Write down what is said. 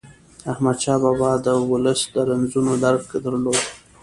احمدشاه بابا د ولس د رنځونو درک درلود.